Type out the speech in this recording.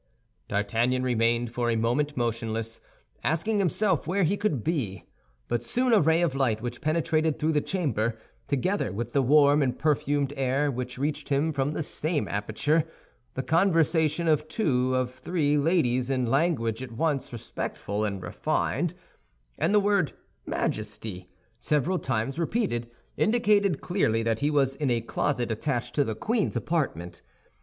D'Artagnan remained for a moment motionless, asking himself where he could be; but soon a ray of light which penetrated through the chamber, together with the warm and perfumed air which reached him from the same aperture, the conversation of two of three ladies in language at once respectful and refined, and the word "Majesty" several times repeated, indicated clearly that he was in a closet attached to the queen's apartment.